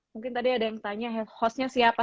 mungkin tadi ada yang tanya hostnya siapa